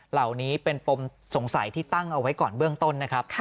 เหล่านี้เป็นปมสงสัยที่ตั้งเอาไว้ก่อนเบื้องต้นนะครับ